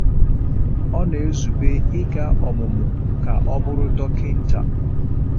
Ọ na-ezube ịga ọmụmụ ka o bụrụ dọkịta.